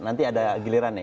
nanti ada gilirannya ya